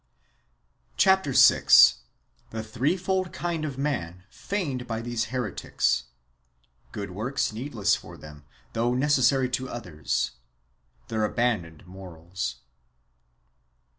Chap. vi. — The threefold hind of man feigned hy these heretics : good works needless for theniy though necessary to others : their abandoned morals.